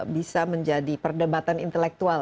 bisa menjadi perdebatan intelektual